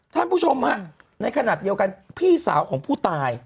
ท่านผู้ชมฮะในขณะเดียวกันพี่สาวของผู้ตาย